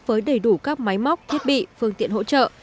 với đầy đủ các máy móc thiết bị phương tiện hỗ trợ